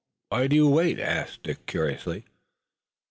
"Why do you wait?" asked Dick curiously.